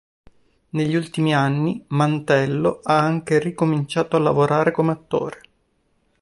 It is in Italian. Negli ultimi anni, Mantello ha anche ricominciato a lavorare come attore.